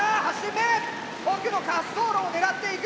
奥の滑走路を狙っていく。